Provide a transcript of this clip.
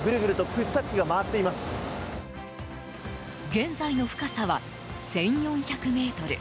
現在の深さは１４００ｍ。